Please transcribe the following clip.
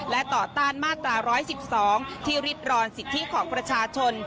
และต่อต้านมาตรา๑๑๒ที่ริดรอนสิทธิของประชาชน